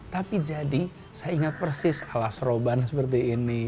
tapi jadi saya ingat persis ala seroban seperti ini